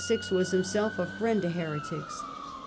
was himself a friend to heretics.